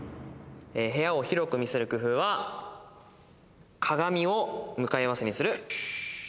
部屋を広く見せる工夫は鏡を向かい合わせにする。